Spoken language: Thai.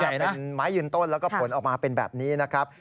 เป็นไม้ยืนต้นแล้วก็ผลออกมาเป็นแบบนี้นะครับ